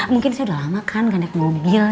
mungkin saya udah lama kan gak naik mobil